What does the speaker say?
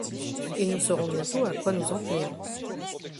et nous saurons bientôt à quoi nous en tenir.